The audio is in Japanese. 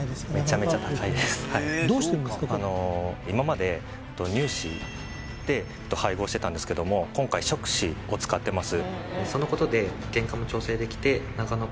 あの今まで乳脂で配合してたんですけども今回植脂を使ってます